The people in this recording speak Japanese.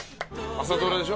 朝ドラでしょ？